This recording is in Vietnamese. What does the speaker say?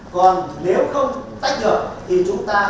còn nếu không tách được thì chúng ta